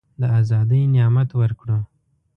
د آزادی نعمت ورکړو.